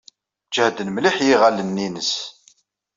Jehden mliḥ yiɣallen-nnes.